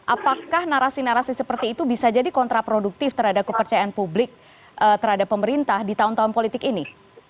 apakah narasi narasi seperti itu bisa jadi kontraproduktif terhadap kepercayaan publik terhadap pemerintah di tahun tahun politik ini